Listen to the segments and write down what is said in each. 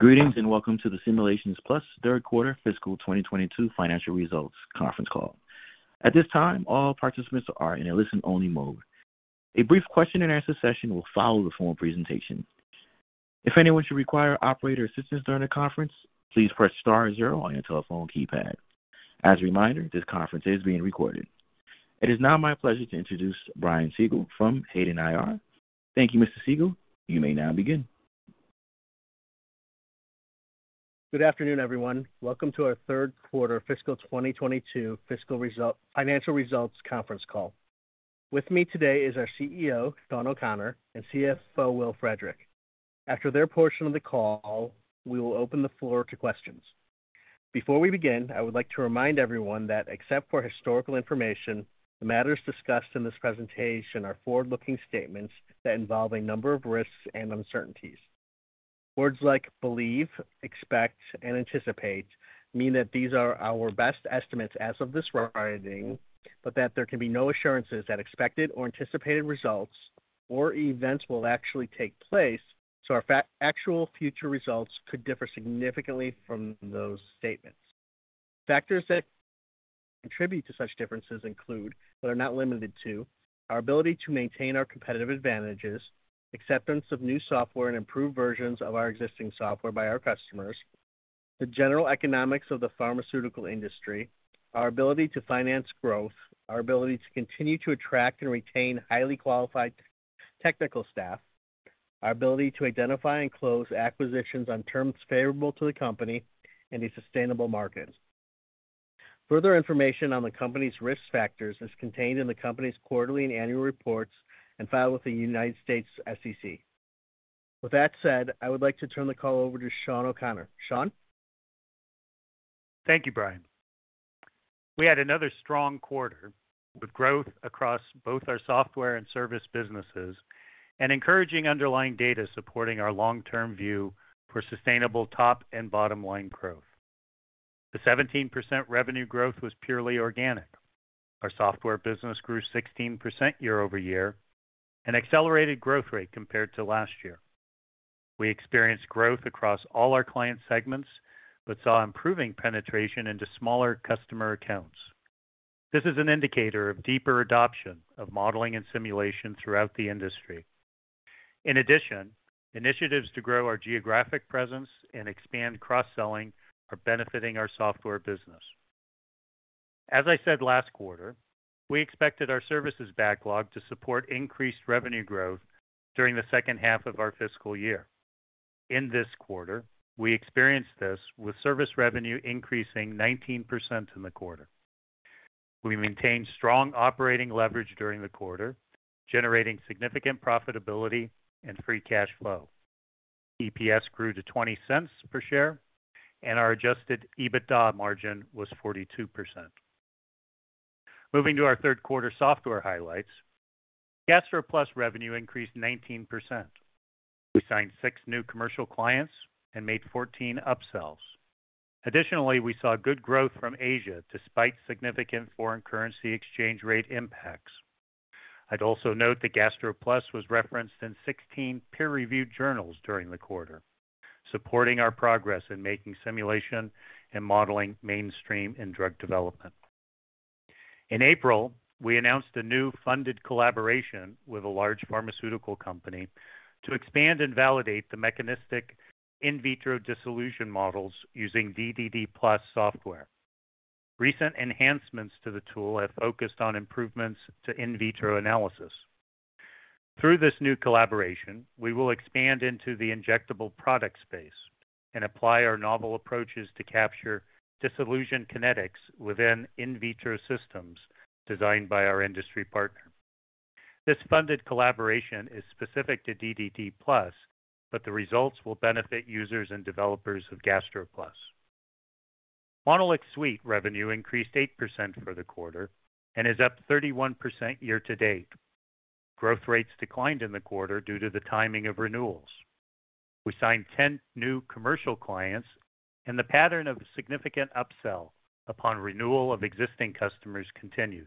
Greetings and welcome to the Simulations Plus third quarter fiscal 2022 Financial Results Conference Call. At this time, all participants are in a listen-only mode. A brief question and answer session will follow the formal presentation. If anyone should require operator assistance during the conference, please press star zero on your telephone keypad. As a reminder, this conference is being recorded. It is now my pleasure to introduce Brian Siegel from Hayden IR. Thank you, Mr. Siegel. You may now begin. Good afternoon, everyone. Welcome to our third quarter fiscal 2022 Financial Results Conference Call. With me today is our CEO, Shawn O'Connor, and CFO, Will Frederick. After their portion of the call, we will open the floor to questions. Before we begin, I would like to remind everyone that except for historical information, the matters discussed in this presentation are forward-looking statements that involve a number of risks and uncertainties. Words like believe, expect, and anticipate mean that these are our best estimates as of this writing, but that there can be no assurances that expected or anticipated results or events will actually take place. Our actual future results could differ significantly from those statements. Factors that contribute to such differences include, but are not limited to, our ability to maintain our competitive advantages, acceptance of new software and improved versions of our existing software by our customers, the general economics of the pharmaceutical industry, our ability to finance growth, our ability to continue to attract and retain highly qualified technical staff, our ability to identify and close acquisitions on terms favorable to the company in these sustainable markets. Further information on the company's risk factors is contained in the company's quarterly and annual reports and filed with the United States SEC. With that said, I would like to turn the call over to Shawn O'Connor. Thank you, Brian. We had another strong quarter with growth across both our software and service businesses and encouraging underlying data supporting our long-term view for sustainable top and bottom-line growth. The 17% revenue growth was purely organic. Our software business grew 16% year-over-year, an accelerated growth rate compared to last year. We experienced growth across all our client segments, but saw improving penetration into smaller customer accounts. This is an indicator of deeper adoption of modeling and simulation throughout the industry. In addition, initiatives to grow our geographic presence and expand cross-selling are benefiting our software business. As I said last quarter, we expected our services backlog to support increased revenue growth during the second half of our fiscal year. In this quarter, we experienced this with service revenue increasing 19% in the quarter. We maintained strong operating leverage during the quarter, generating significant profitability and free cash flow. EPS grew to $0.20 per share, and our adjusted EBITDA margin was 42%. Moving to our third quarter software highlights, GastroPlus revenue increased 19%. We signed 6 new commercial clients and made 14 upsells. Additionally, we saw good growth from Asia despite significant foreign currency exchange rate impacts. I'd also note that GastroPlus was referenced in 16 peer-reviewed journals during the quarter, supporting our progress in making simulation and modeling mainstream in drug development. In April, we announced a new funded collaboration with a large pharmaceutical company to expand and validate the mechanistic in vitro dissolution models using DDDPlus software. Recent enhancements to the tool have focused on improvements to in vitro analysis. Through this new collaboration, we will expand into the injectable product space and apply our novel approaches to capture dissolution kinetics within in vitro systems designed by our industry partner. This funded collaboration is specific to DDDPlus, but the results will benefit users and developers of GastroPlus. MonolixSuite revenue increased 8% for the quarter and is up 31% year to date. Growth rates declined in the quarter due to the timing of renewals. We signed 10 new commercial clients and the pattern of significant upsell upon renewal of existing customers continued.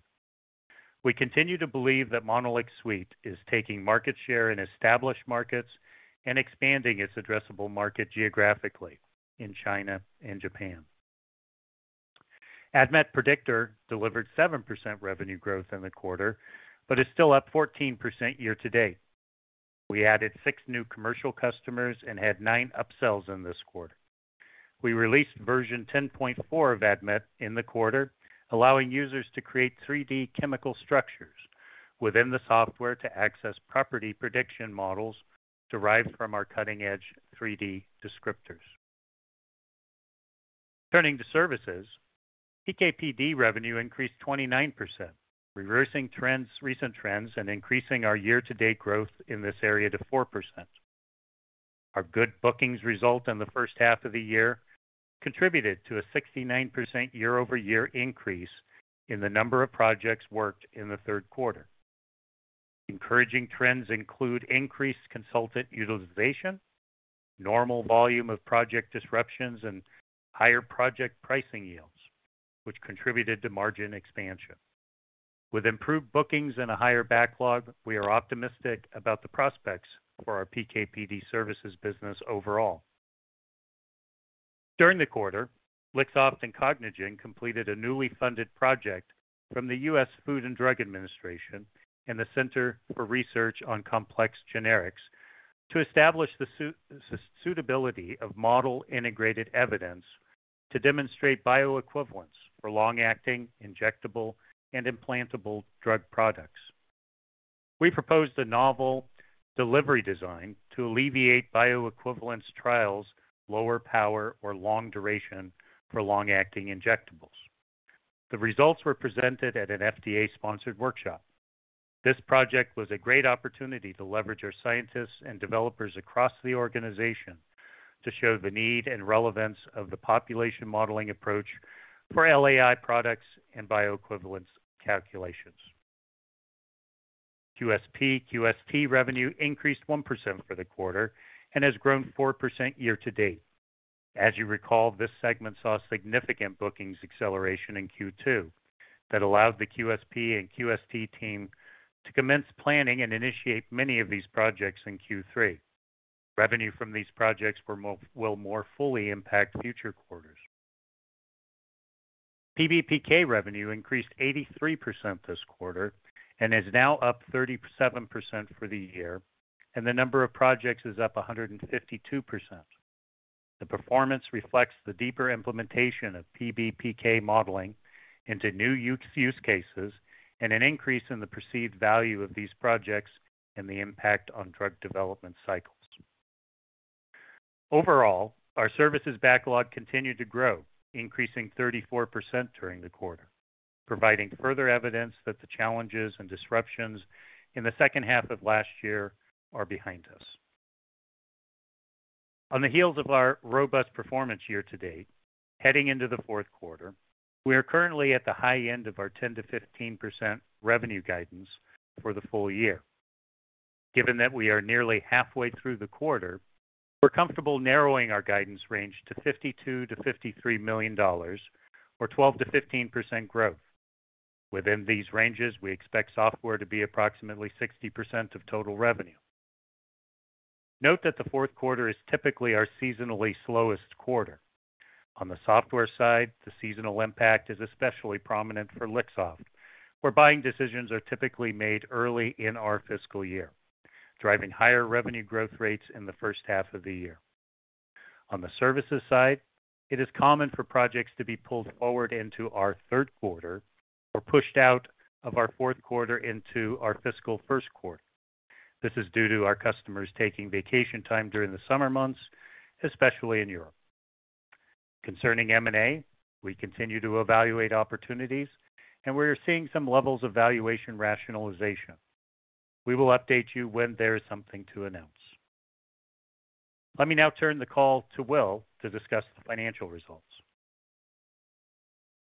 We continue to believe that MonolixSuite is taking market share in established markets and expanding its addressable market geographically in China and Japan. ADMET Predictor delivered 7% revenue growth in the quarter, but is still up 14% year to date. We added 6 new commercial customers and had 9 upsells in this quarter. We released version 10.4 of ADMET in the quarter, allowing users to create 3-D chemical structures within the software to access property prediction models derived from our cutting-edge 3-D descriptors. Turning to services, PK/PD revenue increased 29%, reversing recent trends and increasing our year-to-date growth in this area to 4%. Our good bookings result in the first half of the year contributed to a 69% year-over-year increase in the number of projects worked in the third quarter. Encouraging trends include increased consultant utilization, normal volume of project disruptions, and higher project pricing yields, which contributed to margin expansion. With improved bookings and a higher backlog, we are optimistic about the prospects for our PK/PD services business overall. During the quarter, Luxoft and Cognigen completed a newly funded project from the U.S. Food and Drug Administration and the Center for Research on Complex Generics to establish the suitability of model-integrated evidence to demonstrate bioequivalence for long-acting, injectable, and implantable drug products. We proposed a novel delivery design to alleviate bioequivalence trials, lower power or long duration for long-acting injectables. The results were presented at an FDA-sponsored workshop. This project was a great opportunity to leverage our scientists and developers across the organization to show the need and relevance of the population modeling approach for LAI products and bioequivalence calculations. QSP/QST revenue increased 1% for the quarter and has grown 4% year-to-date. As you recall, this segment saw significant bookings acceleration in Q2 that allowed the QSP and QST team to commence planning and initiate many of these projects in Q3. Revenue from these projects will more fully impact future quarters. PBPK revenue increased 83% this quarter and is now up 37% for the year, and the number of projects is up 152%. The performance reflects the deeper implementation of PBPK modeling into new use cases and an increase in the perceived value of these projects and the impact on drug development cycles. Overall, our services backlog continued to grow, increasing 34% during the quarter, providing further evidence that the challenges and disruptions in the second half of last year are behind us. On the heels of our robust performance year-to-date, heading into the fourth quarter, we are currently at the high end of our 10%-15% revenue guidance for the full year. Given that we are nearly halfway through the quarter, we're comfortable narrowing our guidance range to $52 million-$53 million or 12%-15% growth. Within these ranges, we expect software to be approximately 60% of total revenue. Note that the fourth quarter is typically our seasonally slowest quarter. On the software side, the seasonal impact is especially prominent for Luxoft, where buying decisions are typically made early in our fiscal year, driving higher revenue growth rates in the first half of the year. On the services side, it is common for projects to be pulled forward into our third quarter or pushed out of our fourth quarter into our fiscal first quarter. This is due to our customers taking vacation time during the summer months, especially in Europe. Concerning M&A, we continue to evaluate opportunities, and we are seeing some levels of valuation rationalization. We will update you when there is something to announce. Let me now turn the call to Will to discuss the financial results.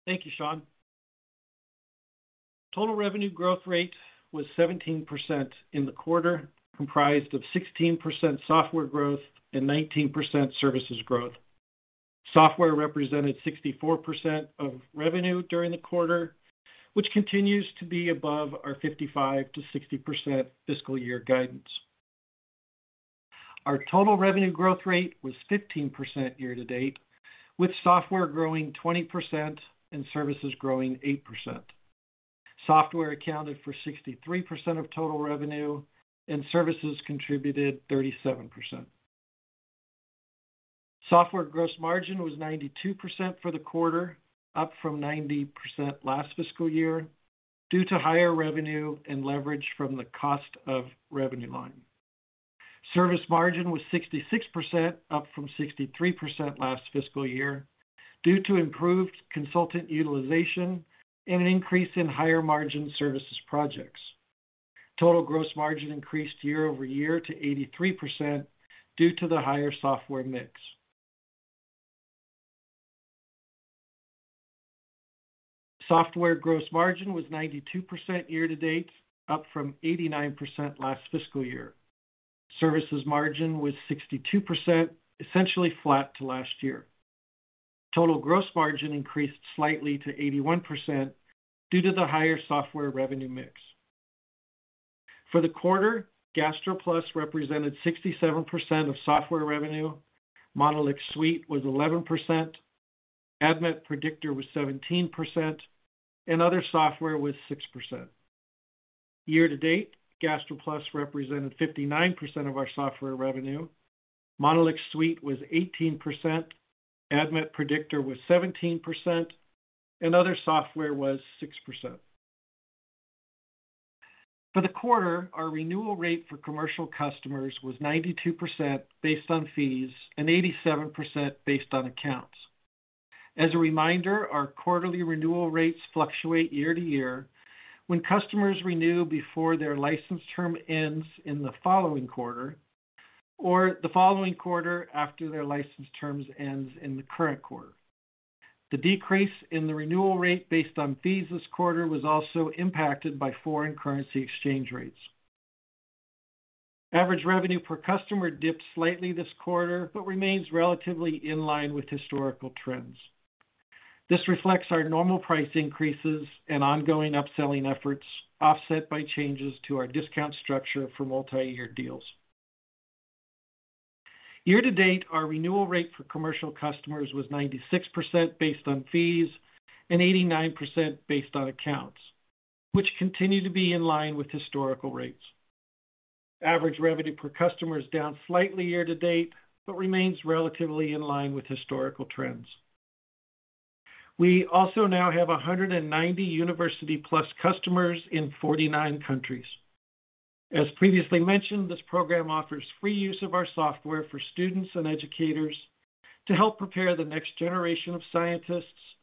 Thank you, Sean. Total revenue growth rate was 17% in the quarter, comprised of 16% software growth and 19% services growth. Software represented 64% of revenue during the quarter, which continues to be above our 55%-60% fiscal year guidance. Our total revenue growth rate was 15% year-to-date, with software growing 20% and services growing 8%. Software accounted for 63% of total revenue and services contributed 37%. Software gross margin was 92% for the quarter, up from 90% last fiscal year due to higher revenue and leverage from the cost of revenue line. Service margin was 66%, up from 63% last fiscal year due to improved consultant utilization and an increase in higher-margin services projects. Total gross margin increased year-over-year to 83% due to the higher software mix. Software gross margin was 92% year-to-date, up from 89% last fiscal year. Services margin was 62%, essentially flat to last year. Total gross margin increased slightly to 81% due to the higher software revenue mix. For the quarter, GastroPlus represented 67% of software revenue. MonolixSuite was 11%. ADMET Predictor was 17%, and other software was 6%. Year-to-date, GastroPlus represented 59% of our software revenue. MonolixSuite was 18%. ADMET Predictor was 17%, and other software was 6%. For the quarter, our renewal rate for commercial customers was 92% based on fees and 87% based on accounts. As a reminder, our quarterly renewal rates fluctuate year to year when customers renew before their license term ends in the following quarter or the following quarter after their license terms ends in the current quarter. The decrease in the renewal rate based on fees this quarter was also impacted by foreign currency exchange rates. Average revenue per customer dipped slightly this quarter, but remains relatively in line with historical trends. This reflects our normal price increases and ongoing upselling efforts, offset by changes to our discount structure for multi-year deals. Year to date, our renewal rate for commercial customers was 96% based on fees and 89% based on accounts, which continue to be in line with historical rates. Average revenue per customer is down slightly year to date, but remains relatively in line with historical trends. We also now have 190 University+ customers in 49 countries. As previously mentioned, this program offers free use of our software for students and educators to help prepare the next generation of scientists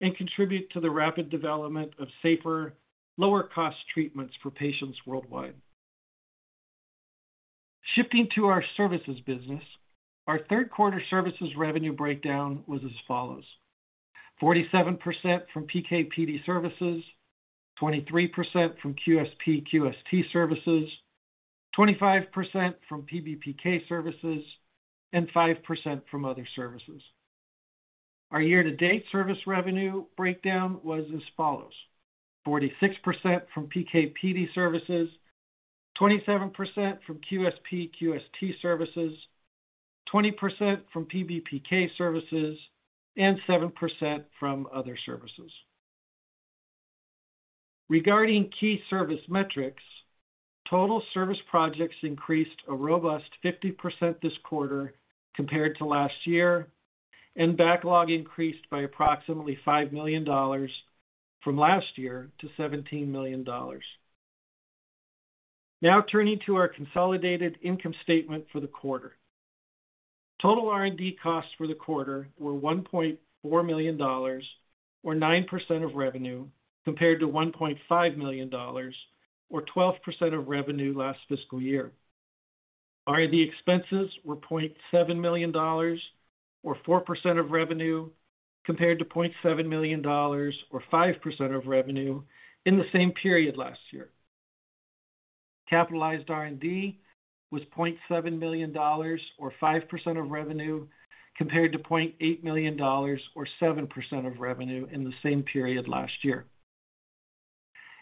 and contribute to the rapid development of safer, lower cost treatments for patients worldwide. Shifting to our services business, our third quarter services revenue breakdown was as follows, 47% from PK/PD services, 23% from QSP/QST services, 25% from PBPK services, and 5% from other services. Our year to date service revenue breakdown was as follows, 46% from PK/PD services, 27% from QSP/QST services, 20% from PBPK services, and 7% from other services. Regarding key service metrics, total service projects increased a robust 50% this quarter compared to last year, and backlog increased by approximately $5 million from last year to $17 million. Now turning to our consolidated income statement for the quarter. Total R&D costs for the quarter were $1.4 million or 9% of revenue, compared to $1.5 million or 12% of revenue last fiscal year. R&D expenses were $0.7 million or 4% of revenue, compared to $0.7 million or 5% of revenue in the same period last year. Capitalized R&D was $0.7 million or 5% of revenue, compared to $0.8 million or 7% of revenue in the same period last year.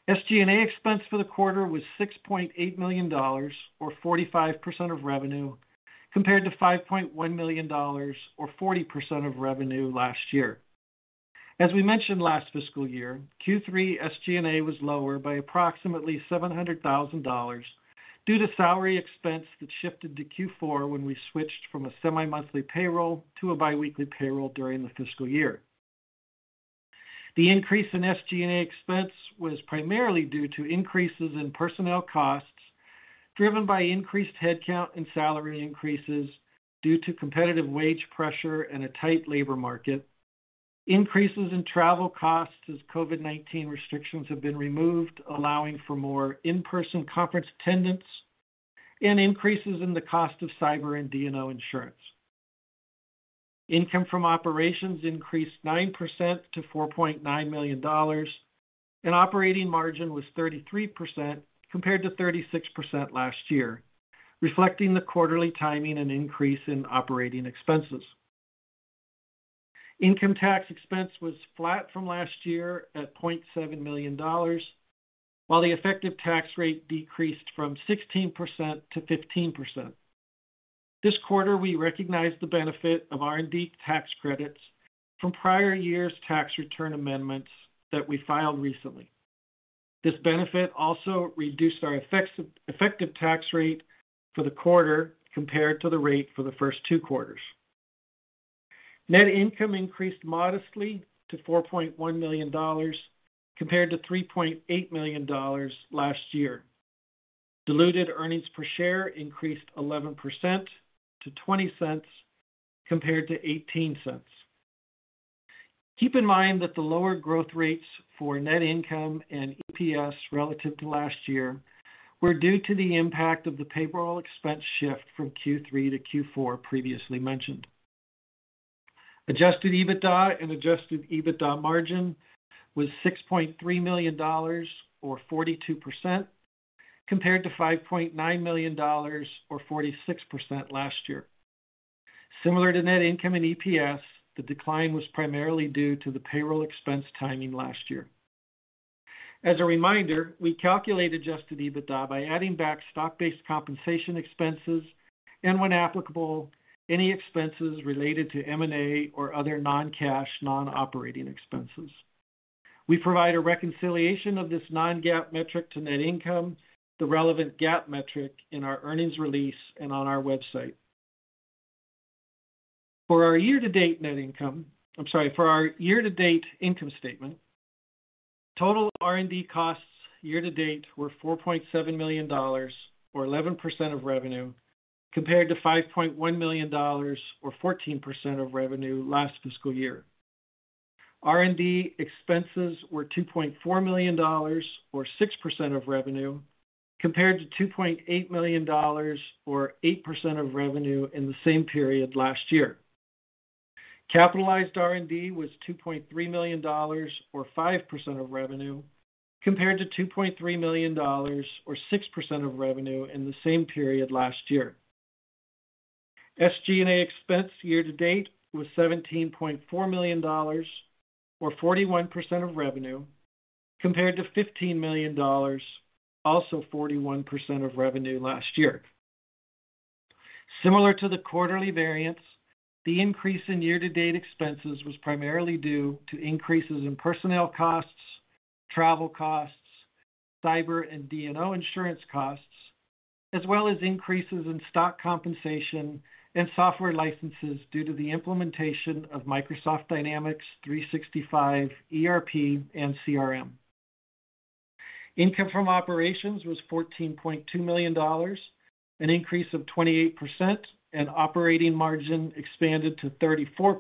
SG&A expense for the quarter was $6.8 million or 45% of revenue, compared to $5.1 million or 40% of revenue last year. As we mentioned last fiscal year, Q3 SG&A was lower by approximately $700,000 due to salary expense that shifted to Q4 when we switched from a semi-monthly payroll to a bi-weekly payroll during the fiscal year. The increase in SG&A expense was primarily due to increases in personnel costs, driven by increased headcount and salary increases due to competitive wage pressure and a tight labor market, increases in travel costs as COVID-19 restrictions have been removed, allowing for more in-person conference attendance, and increases in the cost of cyber and D&O insurance. Income from operations increased 9% to $4.9 million and operating margin was 33% compared to 36% last year, reflecting the quarterly timing and increase in operating expenses. Income tax expense was flat from last year at $0.7 million, while the effective tax rate decreased from 16% to 15%. This quarter, we recognized the benefit of R&D tax credits from prior year's tax return amendments that we filed recently. This benefit also reduced our effective tax rate for the quarter compared to the rate for the first two quarters. Net income increased modestly to $4.1 million compared to $3.8 million last year. Diluted earnings per share increased 11% to $0.20 compared to $0.18. Keep in mind that the lower growth rates for net income and EPS relative to last year were due to the impact of the payroll expense shift from Q3 to Q4 previously mentioned. Adjusted EBITDA and adjusted EBITDA margin was $6.3 million or 42% compared to $5.9 million or 46% last year. Similar to net income and EPS, the decline was primarily due to the payroll expense timing last year. As a reminder, we calculate adjusted EBITDA by adding back stock-based compensation expenses and when applicable, any expenses related to M&A or other non-cash, non-operating expenses. We provide a reconciliation of this non-GAAP metric to net income, the relevant GAAP metric in our earnings release and on our website. For our year to date income statement, total R&D costs year to date were $4.7 million or 11% of revenue, compared to $5.1 million or 14% of revenue last fiscal year. R&D expenses were $2.4 million or 6% of revenue, compared to $2.8 million or 8% of revenue in the same period last year. Capitalized R&D was $2.3 million or 5% of revenue, compared to $2.3 million or 6% of revenue in the same period last year. SG&A expense year to date was $17.4 million or 41% of revenue, compared to $15 million, also 41% of revenue last year. Similar to the quarterly variance, the increase in year-to-date expenses was primarily due to increases in personnel costs, travel costs, cyber and D&O insurance costs, as well as increases in stock compensation and software licenses due to the implementation of Microsoft Dynamics 365, ERP, and CRM. Income from operations was $14.2 million, an increase of 28%, and operating margin expanded to 34%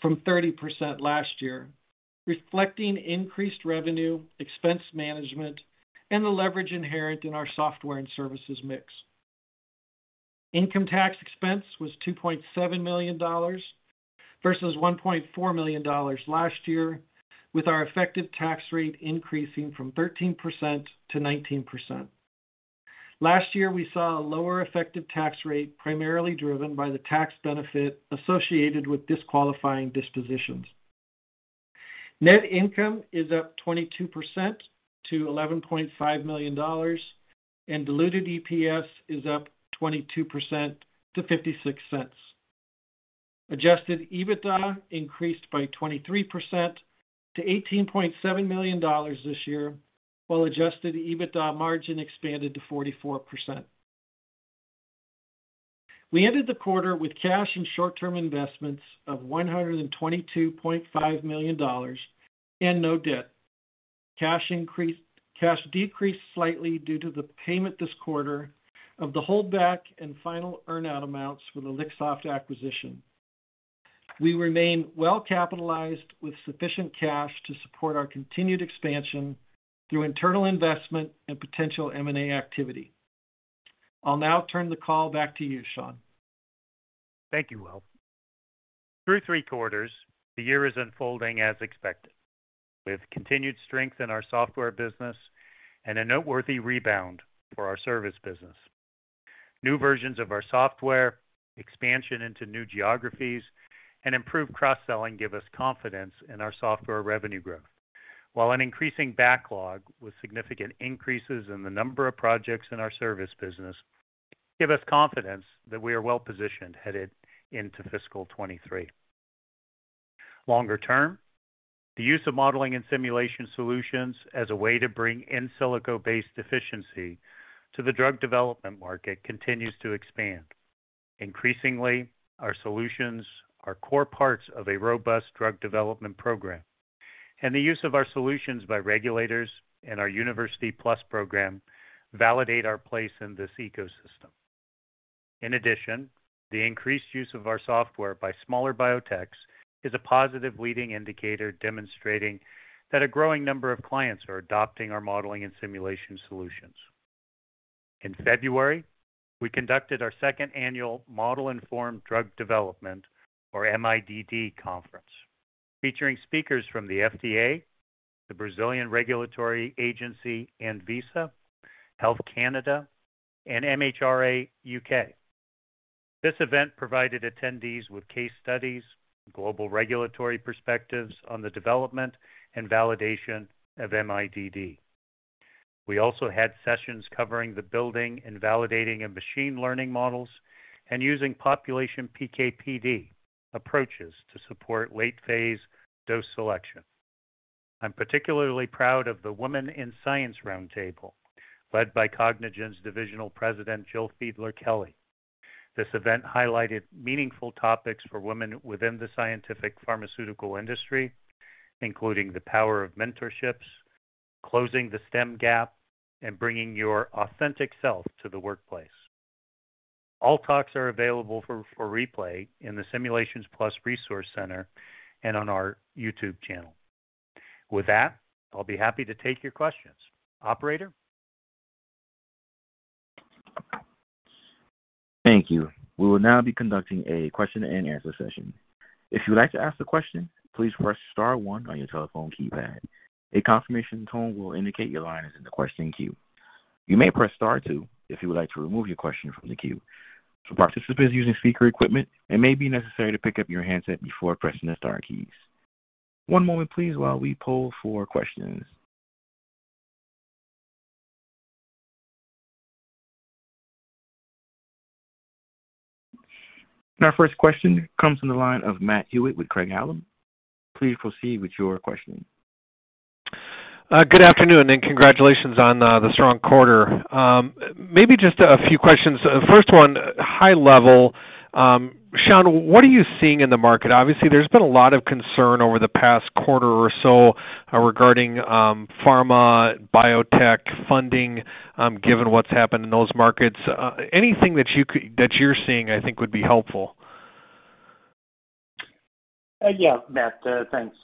from 30% last year, reflecting increased revenue, expense management, and the leverage inherent in our software and services mix. Income tax expense was $2.7 million versus $1.4 million last year, with our effective tax rate increasing from 13% to 19%. Last year, we saw a lower effective tax rate, primarily driven by the tax benefit associated with disqualifying dispositions. Net income is up 22% to $11.5 million and diluted EPS is up 22% to $0.56. Adjusted EBITDA increased by 23% to $18.7 million this year, while adjusted EBITDA margin expanded to 44%. We ended the quarter with cash and short term investments of $122.5 million and no debt. Cash decreased slightly due to the payment this quarter of the holdback and final earn-out amounts for the Luxoft acquisition. We remain well capitalized with sufficient cash to support our continued expansion through internal investment and potential M&A activity. I'll now turn the call back to you, Shawn. Thank you, Will. Through three quarters, the year is unfolding as expected, with continued strength in our software business and a noteworthy rebound for our service business. New versions of our software, expansion into new geographies, and improved cross-selling give us confidence in our software revenue growth. While an increasing backlog with significant increases in the number of projects in our service business give us confidence that we are well positioned headed into fiscal 2023. Longer term, the use of modeling and simulation solutions as a way to bring in silico-based efficiency to the drug development market continues to expand. Increasingly, our solutions are core parts of a robust drug development program, and the use of our solutions by regulators and our University+ program validate our place in this ecosystem. In addition, the increased use of our software by smaller biotechs is a positive leading indicator demonstrating that a growing number of clients are adopting our modeling and simulation solutions. In February, we conducted our second annual Model Informed Drug Development, or MIDD conference, featuring speakers from the FDA, the Brazilian regulatory agency, ANVISA, Health Canada, and MHRA UK. This event provided attendees with case studies, global regulatory perspectives on the development and validation of MIDD. We also had sessions covering the building and validating of machine learning models and using population PK/PD approaches to support late phase dose selection. I'm particularly proud of the Women in Science Roundtable, led by Cognigen's divisional president, Jill Fiedler-Kelly. This event highlighted meaningful topics for women within the scientific pharmaceutical industry, including the power of mentorships, closing the STEM gap, and bringing your authentic self to the workplace. All talks are available for replay in the Simulations Plus Resource Center and on our YouTube channel. With that, I'll be happy to take your questions. Operator? Thank you. We will now be conducting a question and answer session. If you would like to ask a question, please press star one on your telephone keypad. A confirmation tone will indicate your line is in the question queue. You may press star two if you would like to remove your question from the queue. For participants using speaker equipment, it may be necessary to pick up your handset before pressing the star keys. One moment please while we poll for questions. Our first question comes from the line of Matt Hewitt with Craig-Hallum. Please proceed with your question. Good afternoon, and congratulations on the strong quarter. Maybe just a few questions. First one, high level, Shawn, what are you seeing in the market? Obviously, there's been a lot of concern over the past quarter or so regarding pharma, biotech funding, given what's happened in those markets. Anything that you're seeing, I think, would be helpful. Yeah, Matt, thanks.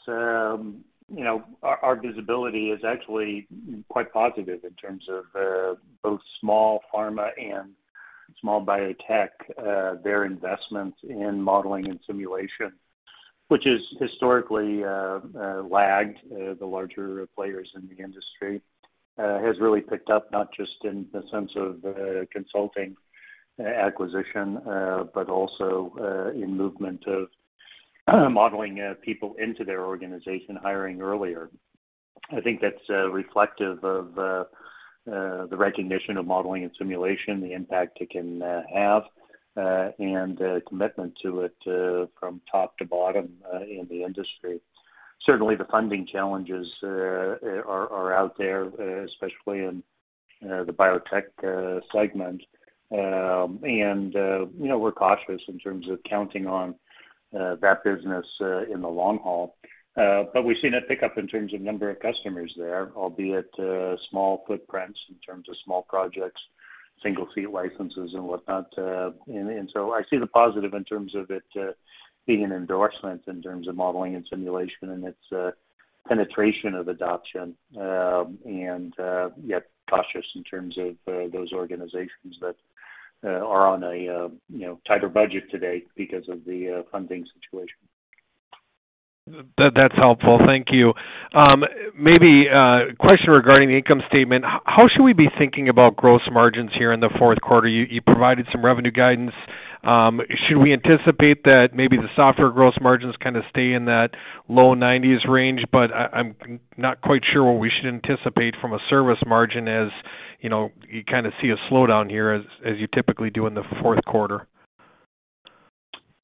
You know, our visibility is actually quite positive in terms of both small pharma and small biotech. Their investments in modeling and simulation, which has historically lagged the larger players in the industry, has really picked up not just in the sense of consulting acquisition, but also in movement of modeling people into their organization, hiring earlier. I think that's reflective of the recognition of modeling and simulation, the impact it can have, and the commitment to it from top to bottom in the industry. Certainly, the funding challenges are out there, especially in the biotech segment. You know, we're cautious in terms of counting on that business in the long haul. We've seen it pick up in terms of number of customers there, albeit small footprints in terms of small projects, single fee licenses and whatnot. And so I see the positive in terms of it being an endorsement in terms of modeling and simulation and its penetration of adoption. Yet cautious in terms of those organizations that are on a, you know, tighter budget today because of the funding situation. That's helpful. Thank you. Maybe a question regarding the income statement. How should we be thinking about gross margins here in the fourth quarter? You provided some revenue guidance. Should we anticipate that maybe the software gross margins kinda stay in that low 90s% range? But I'm not quite sure what we should anticipate from a service margin as, you know, you kinda see a slowdown here as you typically do in the fourth quarter.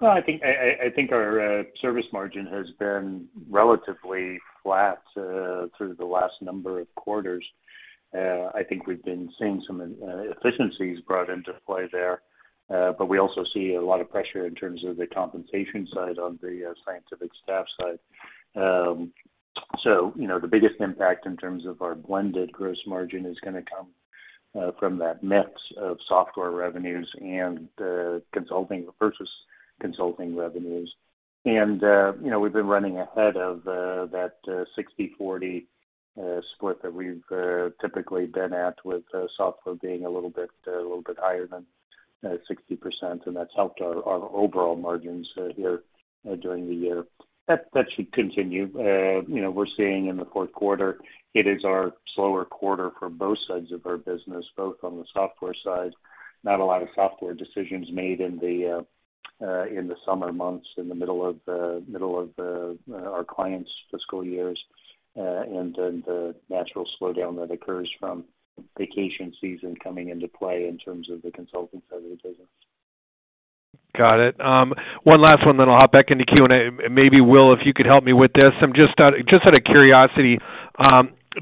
Well, I think our service margin has been relatively flat through the last number of quarters. I think we've been seeing some efficiencies brought into play there. We also see a lot of pressure in terms of the compensation side on the scientific staff side. You know, the biggest impact in terms of our blended gross margin is gonna come from that mix of software versus consulting revenues. You know, we've been running ahead of that 60/40 split that we've typically been at with software being a little bit higher than 60%, and that's helped our overall margins here during the year. That should continue. You know, we're seeing in the fourth quarter, it is our slower quarter for both sides of our business, both on the software side. Not a lot of software decisions made in the summer months in the middle of our clients' fiscal years. The natural slowdown that occurs from vacation season coming into play in terms of the consulting side of the business. Got it. One last one, then I'll hop back into Q&A. Maybe, Will, if you could help me with this. Just out of curiosity,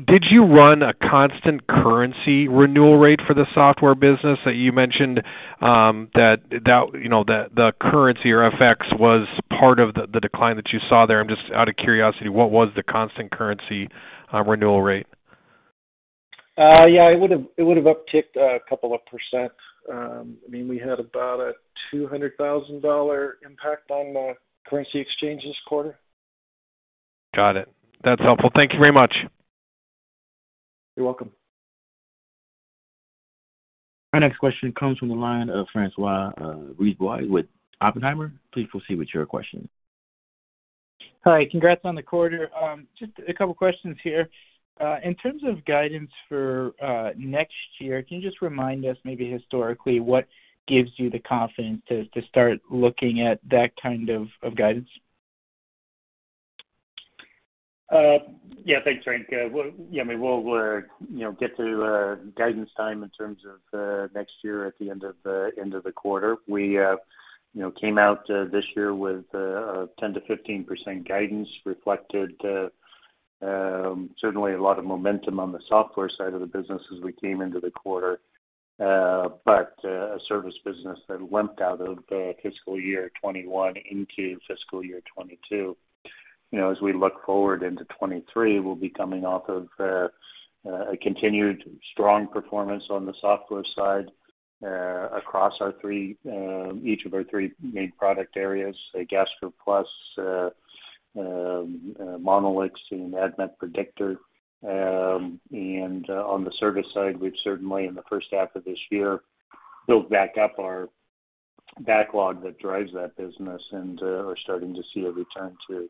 did you run a constant currency renewal rate for the software business that you mentioned? That, you know, the currency or FX was part of the decline that you saw there. Just out of curiosity, what was the constant currency renewal rate? Yeah, it would've upticked a couple of %. I mean, we had about a $200,000 impact on the currency exchange this quarter. Got it. That's helpful. Thank you very much. You're welcome. Our next question comes from the line of François Brisebois with Oppenheimer. Please proceed with your question. Hi. Congrats on the quarter. Just a couple questions here. In terms of guidance for next year, can you just remind us maybe historically, what gives you the confidence to start looking at that kind of guidance? Yeah. Thanks, Frank. Yeah, I mean, we'll get to guidance time in terms of next year at the end of the quarter. We, you know, came out this year with a 10%-15% guidance reflected certainly a lot of momentum on the software side of the business as we came into the quarter, a service business that limped out of the fiscal year 2021 into fiscal year 2022. You know, as we look forward into 2023, we'll be coming off of a continued strong performance on the software side across each of our three main product areas, say, GastroPlus, Monolix, and ADMET Predictor. On the service side, we've certainly in the first half of this year built back up our backlog that drives that business and are starting to see a return to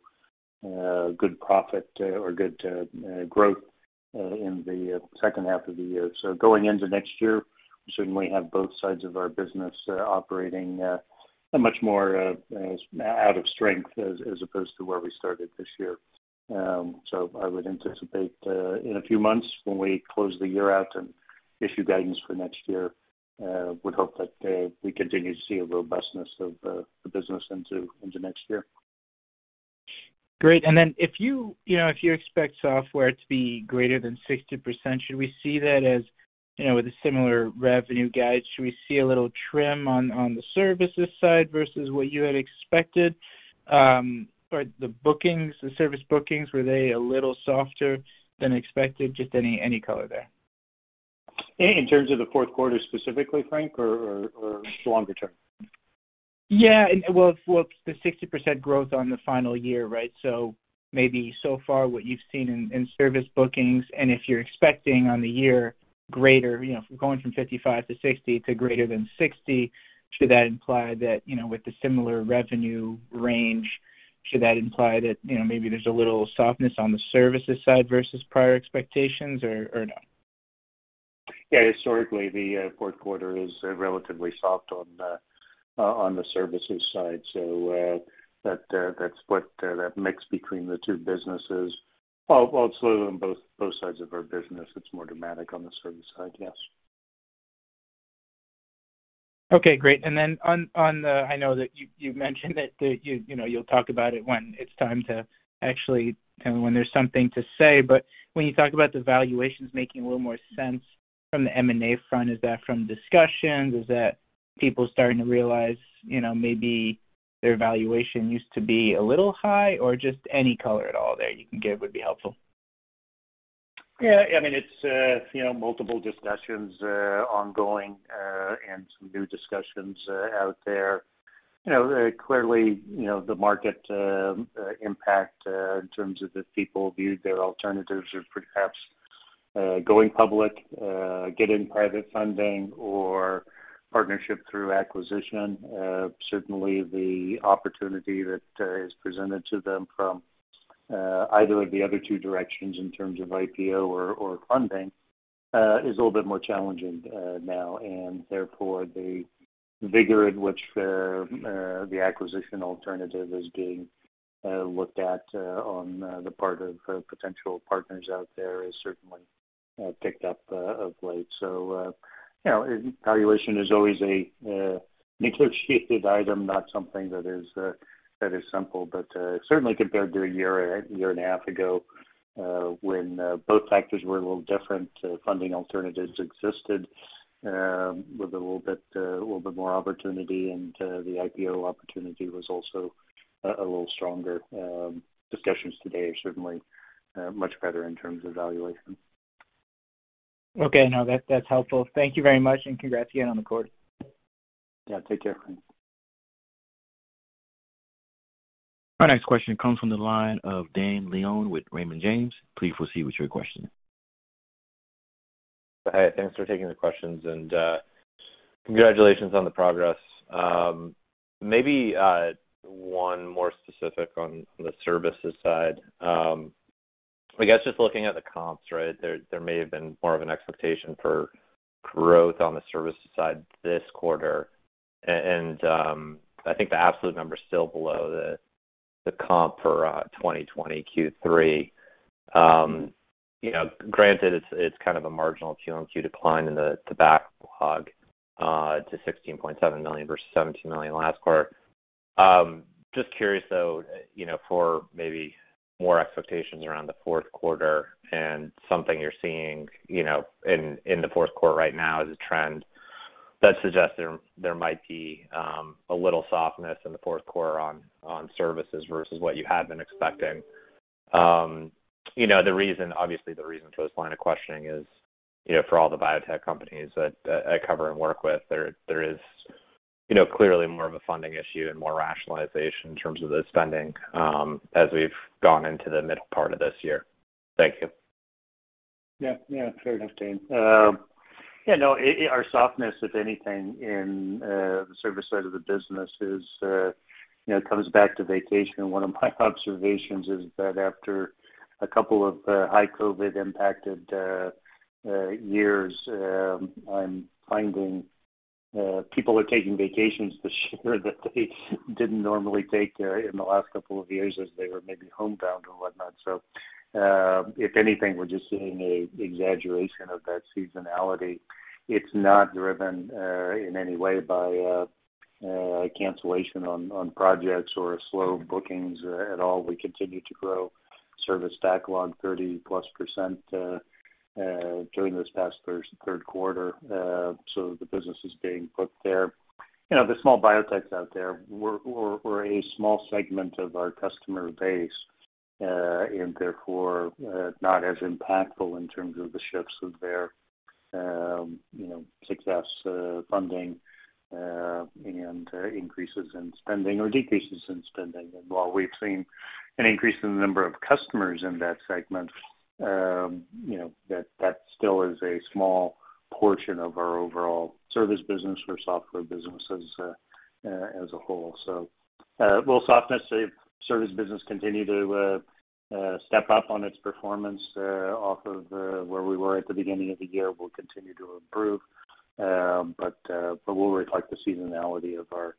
good profit or good growth in the second half of the year. Going into next year, we certainly have both sides of our business operating much more out of strength as opposed to where we started this year. I would anticipate in a few months when we close the year out and issue guidance for next year. I would hope that we continue to see a robustness of the business into next year. Great. If you expect software to be greater than 60%, should we see that as, you know, with a similar revenue guide? Should we see a little trim on the services side versus what you had expected? The bookings, the service bookings, were they a little softer than expected? Just any color there. In terms of the fourth quarter specifically, Frank, or longer term? Yeah. Well, the 60% growth on the final year, right? Maybe so far what you've seen in service bookings, and if you're expecting on the year greater, you know, from going from 55 to 60 to greater than 60, should that imply that, you know, maybe there's a little softness on the services side versus prior expectations or no? Yeah. Historically, the fourth quarter is relatively soft on the services side. That's what the mix between the two businesses. Well, it's slow on both sides of our business. It's more dramatic on the service side, yes. Okay, great. On the, I know that you mentioned that you know, you'll talk about it when it's time to actually, you know, when there's something to say, but when you talk about the valuations making a little more sense from the M&A front, is that from discussions? Is that people starting to realize, you know, maybe their valuation used to be a little high, or just any color at all there you can give would be helpful. Yeah. I mean, it's, you know, multiple discussions ongoing and some new discussions out there. You know, clearly, you know, the market impact in terms of if people viewed their alternatives or perhaps going public, getting private funding or partnership through acquisition. Certainly the opportunity that is presented to them from either of the other two directions in terms of IPO or funding is a little bit more challenging now, and therefore the vigor in which the acquisition alternative is being looked at on the part of potential partners out there is certainly picked up of late. You know, valuation is always a negotiated item, not something that is simple. Certainly compared to a year and a half ago, when both factors were a little different, funding alternatives existed with a little bit more opportunity and the IPO opportunity was also a little stronger. Discussions today are certainly much better in terms of valuation. Okay. No, that's helpful. Thank you very much, and congrats again on the quarter. Yeah. Take care, François Brisebois. Our next question comes from the line of Dane Leone with Raymond James. Please proceed with your question. Hey, thanks for taking the questions and, congratulations on the progress. Maybe, one more specific on the services side. I guess just looking at the comps, right? There may have been more of an expectation for growth on the services side this quarter. And, I think the absolute number is still below the comp for 2020 Q3. You know, granted it's kind of a marginal Q-on-Q decline in the backlog to $16.7 million versus $17 million last quarter. Just curious, though, you know, for maybe more expectations around the fourth quarter and something you're seeing, you know, in the fourth quarter right now as a trend that suggests there might be a little softness in the fourth quarter on services versus what you had been expecting. You know, the reason obviously for this line of questioning is, you know, for all the biotech companies that I cover and work with there is, you know, clearly more of a funding issue and more rationalization in terms of the spending, as we've gone into the middle part of this year. Thank you. Yeah, yeah. Fair enough, Dane. Yeah, no, our softness, if anything, in the service side of the business is, you know, comes back to vacation. One of my observations is that after a couple of high COVID impacted years, I'm finding people are taking vacations this year that they didn't normally take in the last couple of years as they were maybe homebound or whatnot. If anything, we're just seeing a exaggeration of that seasonality. It's not driven in any way by cancellation on projects or slow bookings at all. We continue to grow service backlog 30%+ during this past third quarter. The business is being booked there. You know, the small biotechs out there were a small segment of our customer base, and therefore, not as impactful in terms of the shifts of their, you know, success, funding, and increases in spending or decreases in spending. While we've seen an increase in the number of customers in that segment, that still is a small portion of our overall service business or software business as a whole. Little softness. The service business continue to step up on its performance, off of where we were at the beginning of the year, will continue to improve. We'll reflect the seasonality of our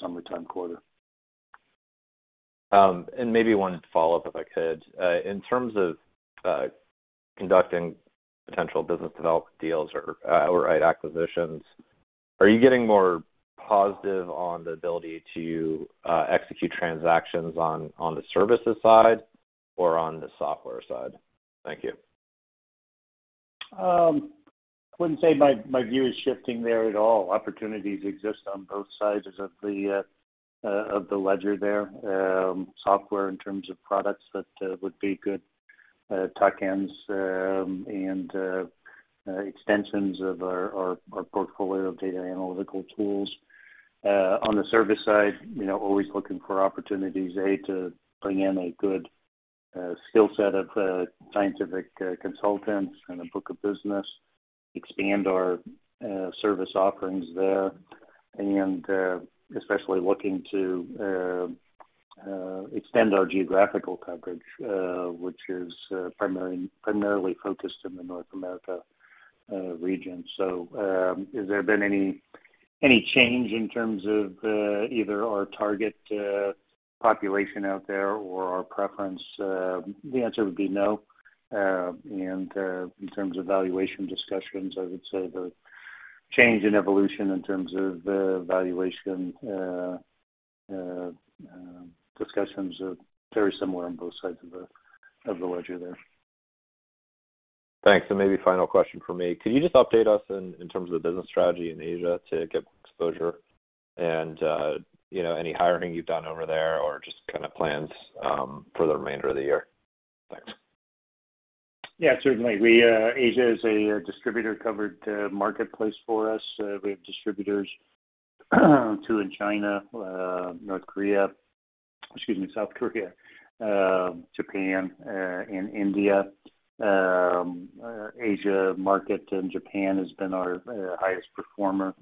summertime quarter. Maybe one follow-up, if I could. In terms of conducting potential business development deals or outright acquisitions, are you getting more positive on the ability to execute transactions on the services side or on the software side? Thank you. Wouldn't say my view is shifting there at all. Opportunities exist on both sides of the ledger there, software in terms of products that would be good tuck-ins, and extensions of our portfolio of data analytical tools. On the service side, you know, always looking for opportunities to bring in a good skill set of scientific consultants and a book of business, expand our service offerings there, and especially looking to extend our geographical coverage, which is primarily focused in the North America region. Has there been any change in terms of either our target population out there or our preference? The answer would be no. In terms of valuation discussions, I would say the change and evolution in terms of valuation discussions are very similar on both sides of the ledger there. Thanks. Maybe final question from me. Could you just update us in terms of the business strategy in Asia to get exposure and, you know, any hiring you've done over there or just kinda plans for the remainder of the year? Thanks. Yeah, certainly. We, Asia is a distributor-covered marketplace for us. We have distributors, two in China, South Korea, Japan, and India. Asian market and Japan has been our highest performer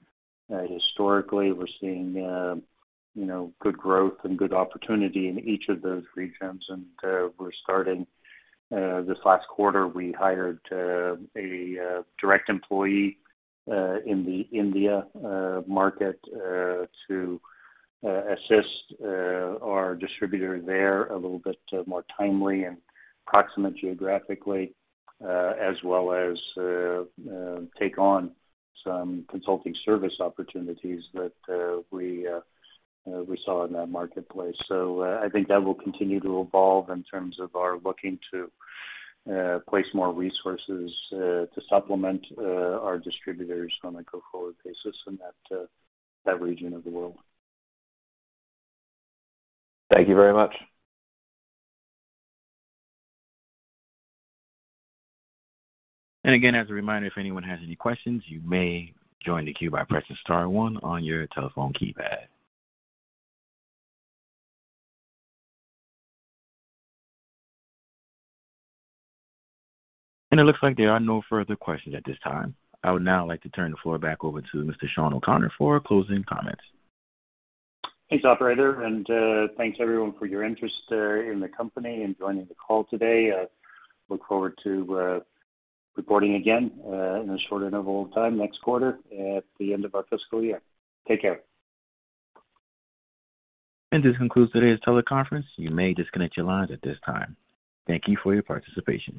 historically. We're seeing, you know, good growth and good opportunity in each of those regions. We're starting this last quarter, we hired a direct employee in the Indian market to assist our distributor there a little bit more timely and proximate geographically, as well as take on some consulting service opportunities that we saw in that marketplace. I think that will continue to evolve in terms of our looking to place more resources to supplement our distributors on a go-forward basis in that region of the world. Thank you very much. Again, as a reminder, if anyone has any questions, you may join the queue by pressing star one on your telephone keypad. It looks like there are no further questions at this time. I would now like to turn the floor back over to Mr. Shawn O'Connor for closing comments. Thanks, operator, and thanks everyone for your interest in the company and joining the call today. Look forward to reporting again in a short interval of time next quarter at the end of our fiscal year. Take care. This concludes today's teleconference. You may disconnect your lines at this time. Thank you for your participation.